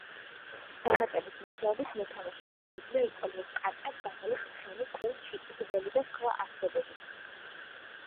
დამატების მეშვეობით, მოთამაშეს შეუძლია იყოლიოს კატა, ძაღლი, ცხენი, კუ, ჩიტი, გველი და სხვა არსებები.